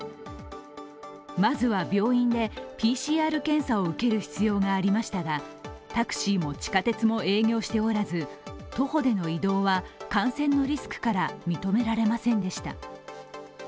まずは病院でＰＣＲ検査を受ける必要がありましたがタクシーも地下鉄も営業しておらず徒歩での移動は感染のリスクから認められませんでした。